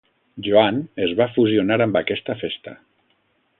Joan es va fusionar amb aquesta festa.